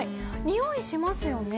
においしますよね。